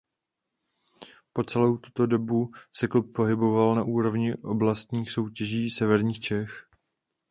Po celou tuto dobu se klub pohyboval na úrovni oblastních soutěží severních Čech.